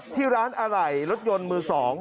ที่ร้านอะไหล่รถยนต์มือ๒